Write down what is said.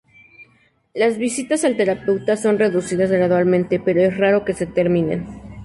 Las visitas al terapeuta son reducidas gradualmente pero es raro que se terminen.